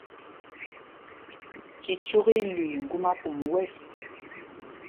Cicyûk í í lüii ŋgúma pum wɛ̂ɛs.